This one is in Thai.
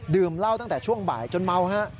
ดื่มเหล้าตั้งแต่ช่วงบ่ายจนเมา